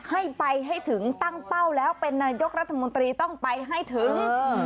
ให้ไปให้ถึงตั้งเป้าแล้วเป็นนายกรัฐมนตรีต้องไปให้ถึง